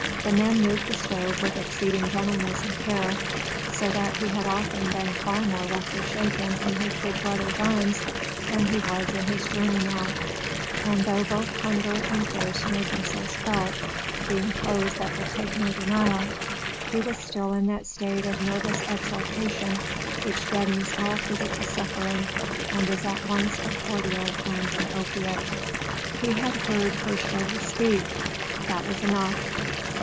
The men moved the stove with exceeding gentleness and care, so that he had often been far more roughly shaken in his big brothers' arms than he was in his journey now; and though both hunger and thirst made themselves felt, being foes that will take no denial, he was still in that state of nervous exaltation which deadens all physical suffering and is at once a cordial and an opiate. He had heard Hirschvogel speak; that was enough.